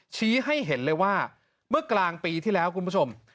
ชี้ให้เห็นเลยว่าเมื่อกลางปีที่แล้วคุณผู้ชม